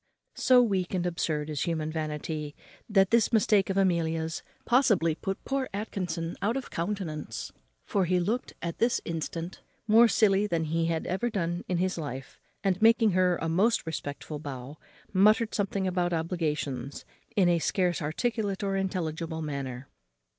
So weak and absurd is human vanity, that this mistake of Amelia's possibly put poor Atkinson out of countenance, for he looked at this instant more silly than he had ever done in his life; and, making her a most respectful bow, muttered something about obligations, in a scarce articulate or intelligible manner.